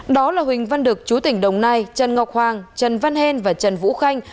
đó là huỳnh văn đực chú tỉnh đồng nai trần ngọc hoàng trần văn hên và trần vũ khanh